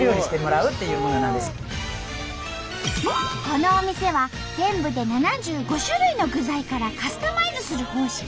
このお店は全部で７５種類の具材からカスタマイズする方式。